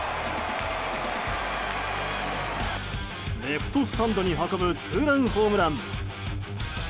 レフトスタンドに運ぶツーランホームラン。